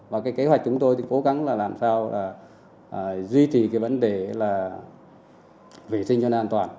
và cái kế hoạch chúng tôi thì cố gắng là làm sao là duy trì cái vấn đề là vệ sinh cho nó an toàn